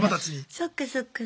そっかそっか。